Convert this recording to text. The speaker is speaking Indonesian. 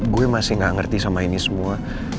gue masih gak ngerti sama ini semua